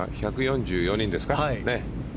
１４４人ですか。